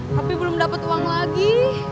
tapi belum dapat uang lagi